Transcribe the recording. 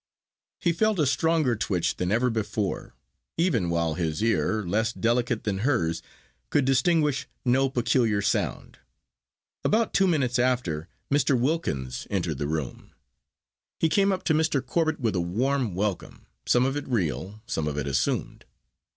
He felt a stronger twitch than ever before; even while his ear, less delicate than hers, could distinguish no peculiar sound. About two minutes after Mr. Wilkins entered the room. He came up to Mr. Corbet with a warm welcome: some of it real, some of it assumed.